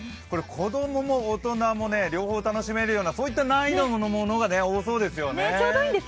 子供も大人も両方楽しめるような難易度のものが多そうですよね。